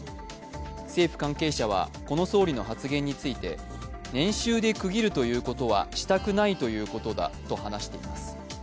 政府関係者はこの総理の発言について、年収で区切るということはしたくないということだと話しています。